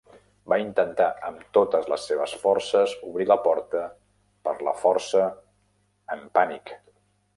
Va intentar amb totes les seves forces obrir la porta per la força en pànic.